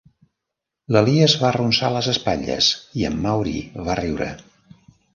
L'Elias va arronsar les espatlles i en Maury va riure.